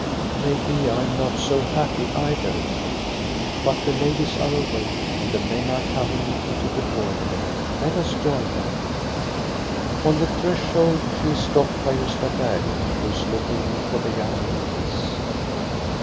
" Maybe. I am not so happy, either. — But the ladies are awake, and the men are coming into the drawing room. Let us join them!" 232 THE STORY OF GOSTA BERLING On the threshold she is stopped by Gosta Berling, who is looking for the young ladies.